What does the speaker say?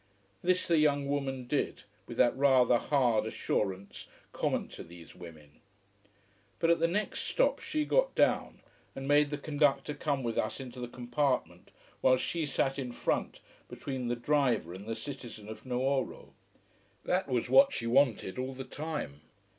This the young woman did, with that rather hard assurance common to these women. But at the next stop she got down, and made the conductor come with us into the compartment, whilst she sat in front between the driver and the citizen of Nuoro. That was what she wanted all the time.